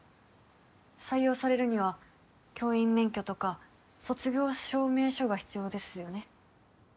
採用されるには教員免許とか卒業証明書が必要ですよね？